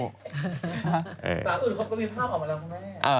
สาวอื่นเขาก็มีภาพออกมาแล้วคุณแม่